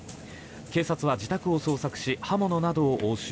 警察は自宅を捜索し刃物などを押収。